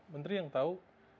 menteri yang tahu